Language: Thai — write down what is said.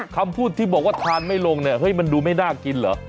คำพูดที่บอกว่าทานไม่ลงเนี่ยเฮ้ยมันดูไม่น่ากินเหรอ